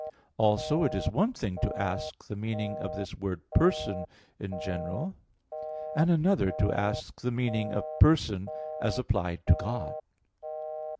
Also, it is one thing to ask the meaning of this word "person" in general; and another to ask the meaning of "person" as applied to God.